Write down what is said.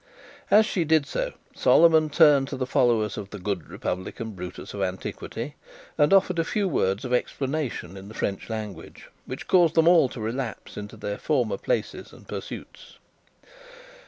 As she did so, Solomon turned to the followers of the Good Republican Brutus of Antiquity, and offered a few words of explanation in the French language, which caused them all to relapse into their former places and pursuits.